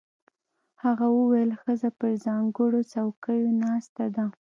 هغه وویل ښځه پر ځانګړو څوکیو ناسته ده.